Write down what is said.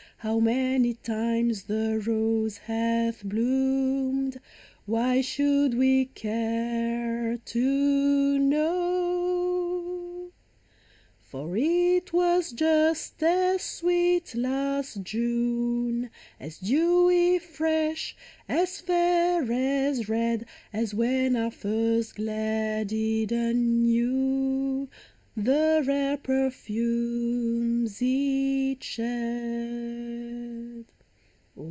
How many times the rose hath bloomed, Why should we care to know ? For it was just as sweet last June, As dewy fresh, as fair, as red, As when our first glad Eden knew The rare perfumes it shed !